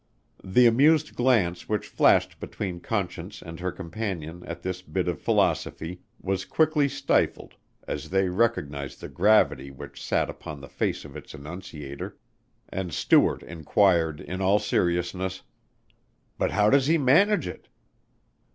The amused glance which flashed between Conscience and her companion at this bit of philosophy was quickly stifled as they recognized the gravity which sat upon the face of its enunciator, and Stuart inquired in all seriousness, "But how does he manage it?